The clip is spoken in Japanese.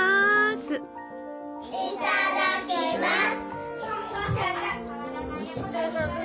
いただきます！